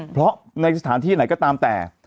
เพราะในสถานที่ไหนก็ตามแต่